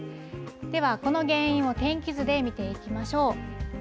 では、この原因を天気図で見ていきましょう。